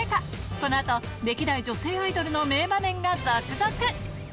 このあと、歴代女性アイドルの名場面が続々。